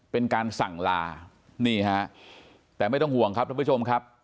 เป็นการสั่งลานี่ฮะแต่ไม่ต้องห่วงครับท่านผู้ชมครับ